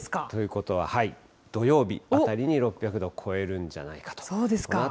ということは、土曜日あたりに６００度を超えるんじゃないかそうですか。